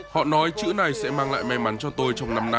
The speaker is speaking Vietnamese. họ nói chữ này sẽ mang lại may mắn cho tôi